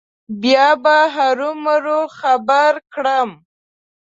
بیا به هرو مرو خبر کړم.